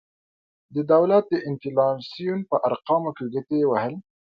د دولت د انفلاسیون په ارقامو کې ګوتې وهلي.